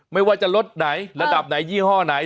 ไม่ว่าจะลดไหนระดับไหนยี่ห้อไหน